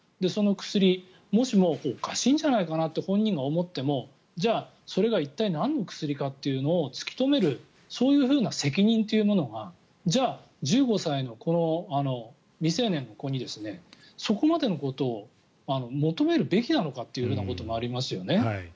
その薬が、もしもおかしいんじゃないかなって本人が思ってもじゃあ、それが一体なんの薬かというのを突き止めるそういうふうな責任というのがじゃあ１５歳の未成年の子にそこまでのことを求めるべきなのかということもありますよね。